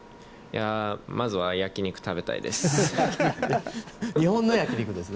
まずは焼き肉が食べたいです。